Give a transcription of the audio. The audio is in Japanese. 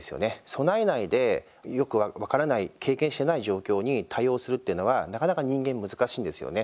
備えないで、よく分からない経験してない状況に対応するっていうのはなかなか人間難しいんですよね。